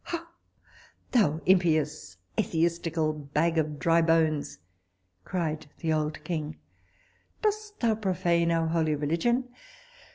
How! thou impious, atheistical bag of drybones, cried the old king; dost thou profane our holy religion?